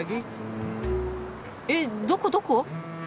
えっ？どこどこ？